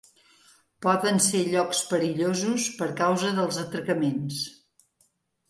Poden ser llocs perillosos per causa dels atracaments.